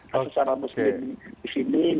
sama sama muslim di sini